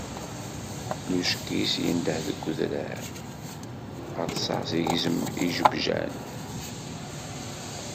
Lučkis yendeh deg udrar, Rsas igezzem ijebjan.